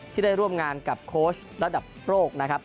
ที่ได้ร่วมงานกับโค้ชระดับโลกนะครับ